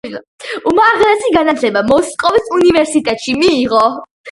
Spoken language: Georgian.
უმაღლესი განათლება მოსკოვის უნივერსიტეტში მიიღო.